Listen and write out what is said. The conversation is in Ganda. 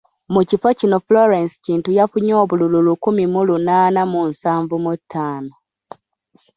Mu kifo kino Florence Kintu yafunye obululu lukumi mu lunaana mu nsanvu mu ttaano